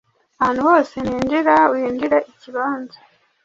Ahantu hose ninjirira winjire ikibanza